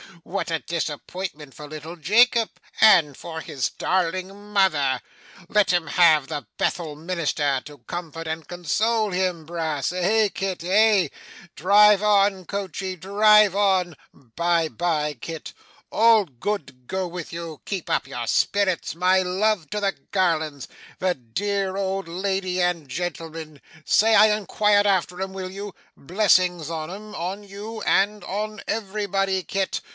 What a disappointment for little Jacob, and for his darling mother! Let him have the Bethel minister to comfort and console him, Brass. Eh, Kit, eh? Drive on coachey, drive on. Bye bye, Kit; all good go with you; keep up your spirits; my love to the Garlands the dear old lady and gentleman. Say I inquired after 'em, will you? Blessings on 'em, on you, and on everybody, Kit.